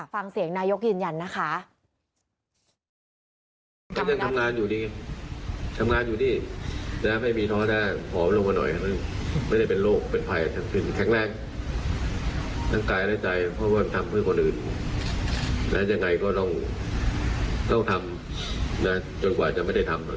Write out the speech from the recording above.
ฟังเสียงนายกยืนยันนะคะ